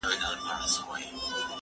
زه مخکي نان خوړلی و!